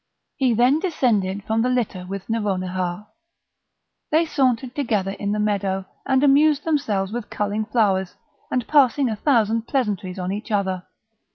He then descended from the litter with Nouronihar; they sauntered together in the meadow, and amused themselves with culling flowers, and passing a thousand pleasantries on each other.